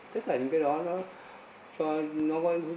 tất cả những cái đó nó